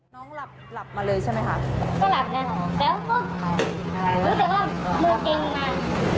น้องหลับหลับมาเลยใช่ไหมคะก็หลับน่ะแล้วก็รู้สึกว่ามือเกร็งมา